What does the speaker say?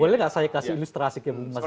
boleh gak saya kasih ilustrasi ke bung mas gitu